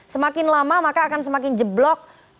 semakin lama maka akan semakin jeblok